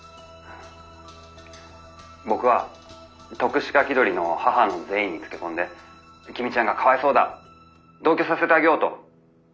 僕は篤志家気取りの母の善意につけ込んで公ちゃんがかわいそうだ同居させてあげようと説得しました」。